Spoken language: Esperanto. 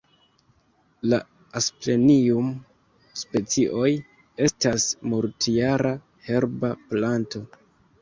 La Asplenium-specioj estas multjara herba planto.